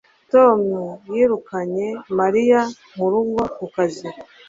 Tom yirukanye Mariya mu rugo ku kazi